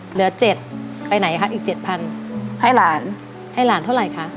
เหลือเจ็ดไปไหนคะอีกเจ็ดพันให้หลานให้หลานเท่าไหร่คะ